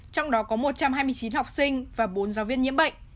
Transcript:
trong đó có một trăm hai mươi chín học sinh và bốn giáo viên nhiễm bệnh